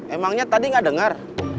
emangnya tadi gak dengar